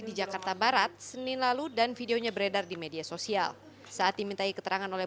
di jakarta barat senin lalu dan videonya beredar di media sosial saat dimintai keterangan oleh